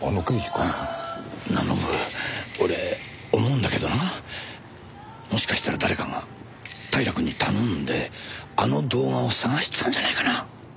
うん。なあノブ俺思うんだけどなもしかしたら誰かが平くんに頼んであの動画を捜してたんじゃないかな？